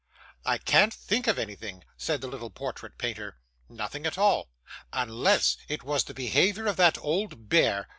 'I can't think of anything,' said the little portrait painter. 'Nothing at all, unless it was the behaviour of that old bear.